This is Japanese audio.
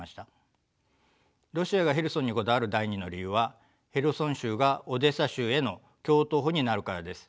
ロシアがヘルソンにこだわる第２の理由はヘルソン州がオデーサ州への橋頭保になるからです。